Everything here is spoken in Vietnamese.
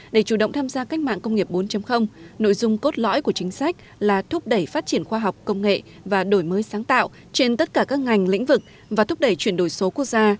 để chủ động tham gia cách mạng công nghiệp bốn nội dung cốt lõi của chính sách là thúc đẩy phát triển khoa học công nghệ và đổi mới sáng tạo trên tất cả các ngành lĩnh vực và thúc đẩy chuyển đổi số quốc gia